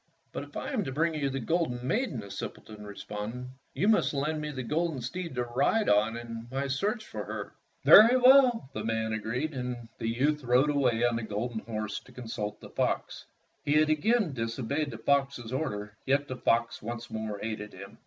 "But if I am to bring you the golden maiden," the simpleton responded, "you must lend me the golden steed to ride on in my search for her." "Very well," the man agreed, and the 44 Fairy Tale Foxes youth rode away on the golden horse to con sult the fox. He had again disobeyed the fox's orders, yet the fox once more aided him.